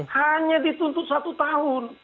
hanya dituntut satu tahun